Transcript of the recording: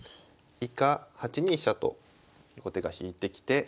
以下８二飛車と後手が引いてきて。